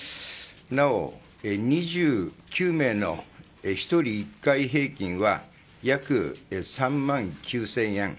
なお、２９名の１人１回平均は約３万９０００円。